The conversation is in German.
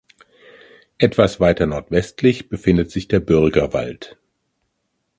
Etwas weiter nordwestlich befindet sich der "Bürgerwald".